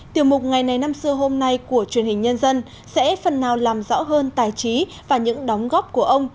tiểu mục ngày này năm xưa hôm nay của truyền hình nhân dân sẽ phần nào làm rõ hơn tài trí và những đóng góp của ông